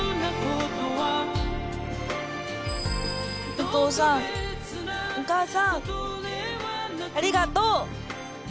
お父さんお母さんありがとう！